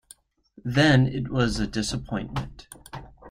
Then it was a disappointment.